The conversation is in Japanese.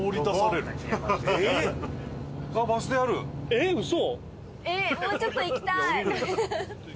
えっウソ！？